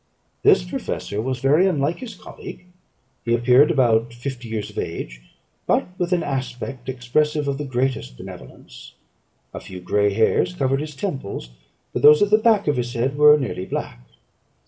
This professor was very unlike his colleague. He appeared about fifty years of age, but with an aspect expressive of the greatest benevolence; a few grey hairs covered his temples, but those at the back of his head were nearly black.